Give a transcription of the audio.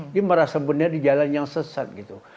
dia merasa benar di jalan yang sesat gitu